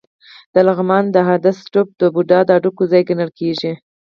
د لغمان د هده ستوپ د بودا د هډوکو ځای ګڼل کېږي